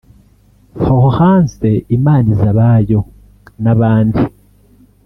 Florence Imanizabayo n’abandi